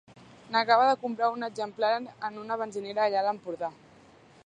N'acaba de comprar un exemplar en una benzinera allà a l'Empordà.